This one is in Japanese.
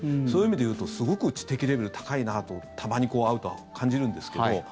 そういう意味で言うとすごく知的レベルが高いなとたまに会うと感じるんですけど。